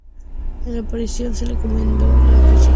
En la aparición se le encomendó la construcción de un templo.